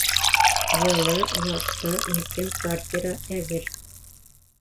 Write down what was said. Йылы, яҡты, иркен квартира әҙер.